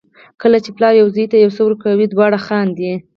کله چې پلار یو زوی ته یو څه ورکوي دواړه خاندي.